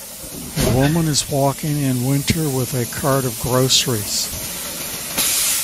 A woman is walking in winter with a cart of groceries.